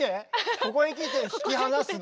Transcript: ここへきて引き離すの？